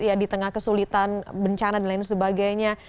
ya di tengah kesulitan bencana dan lain sebagainya